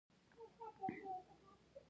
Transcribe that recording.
تاج، غاړه او ریښه یې اصلي برخې دي.